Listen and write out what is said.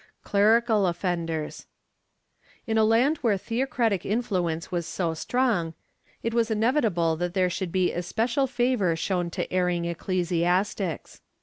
CLERICAL OFFENDERS. In a land where theocratic influence was so strong, it was inevit able that there should be especial favor shown to erring ecclesi astics.